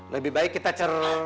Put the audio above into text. lebih baik kita cerai